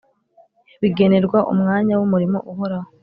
bigenerwa umwanya w’umurimo uhoraho